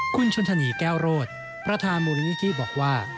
คุณชนธนีแก้วโรดประธานมูลนิธิบอกว่า